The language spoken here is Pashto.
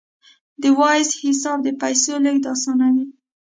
د وایز حساب د پیسو لیږد اسانوي.